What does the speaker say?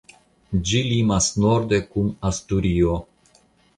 Ĝi limas norde kun Asturio.